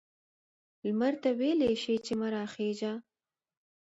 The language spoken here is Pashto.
لمر ته ویلای شي چې مه را خیژه؟